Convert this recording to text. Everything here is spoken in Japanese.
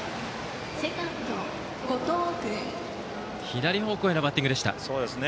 左方向へのバッティングでした。